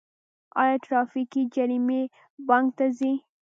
آیا ټرافیکي جریمې بانک ته ځي؟